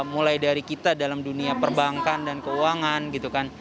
mulai dari kita dalam dunia perbankan dan keuangan